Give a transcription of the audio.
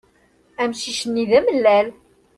Amcic-nni d amellal.